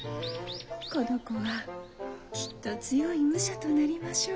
この子はきっと強い武者となりましょう。